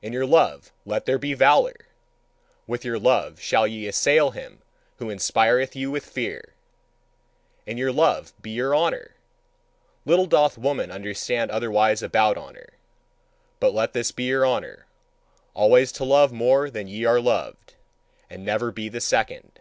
In your love let there be valour! With your love shall ye assail him who inspireth you with fear! In your love be your honour! Little doth woman understand otherwise about honour. But let this be your honour: always to love more than ye are loved, and never be the second.